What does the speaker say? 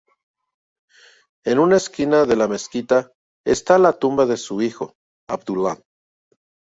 En una esquina de la mezquita está la tumba de su hijo, Abdullah.